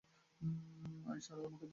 I শালা আমাকে ধরে দেখা!